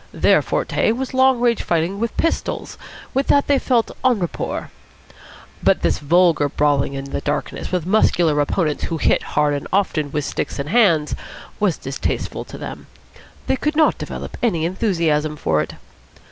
Their forte was long range fighting with pistols. With that they felt en rapport. But this vulgar brawling in the darkness with muscular opponents who hit hard and often with sticks and hands was distasteful to them. They could not develop any enthusiasm for it.